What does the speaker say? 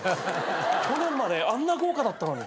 去年まであんな豪華だったのに。